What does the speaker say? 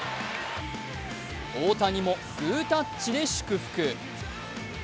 大谷もグータッチで祝福。